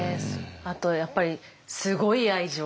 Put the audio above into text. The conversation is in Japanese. あとやっぱりすごい愛情。